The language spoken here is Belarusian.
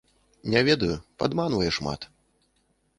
Не ведаю, падманвае шмат.